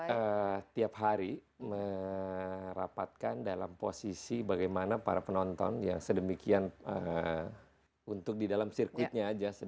kita tiap hari merapatkan dalam posisi bagaimana para penonton yang sedemikian untuk di dalam sirkuitnya aja